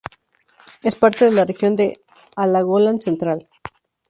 Es parte de la región de Hålogaland Central.